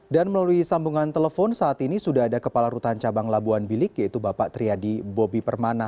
dan melalui sambungan telepon saat ini sudah ada kepala rutan cabang labuan bilik yaitu bapak triadi bobi permana